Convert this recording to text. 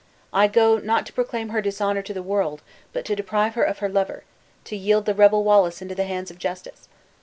I go, not to proclaim her dishonor to the world, but to deprive her of her lover; to yield the rebel Wallace into the hands of justice!